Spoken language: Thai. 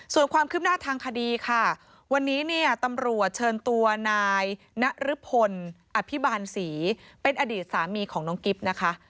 ส่วนความคืบหน้าทางคดีค่ะวันนี้เนี่ยตำรวจเชิญตัวนายนรพลอภิบาลศรีเป็นอดีตสามีของน้องกิ๊บนะคะ